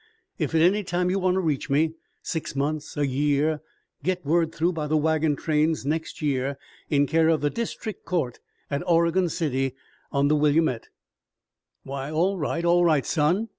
If at any time you want to reach me six months, a year get word through by the wagon trains next year, in care of the District Court at Oregon City, on the Willamette." "Why, all right, all right, son!